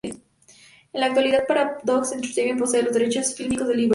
En la actualidad, Paradox Entertainment posee los derechos fílmicos del libro.